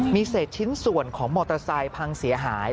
มีเศษชิ้นส่วนของมอเตอร์ไซค์พังเสียหาย